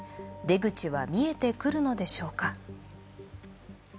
出口は見えてくるのでしょうか。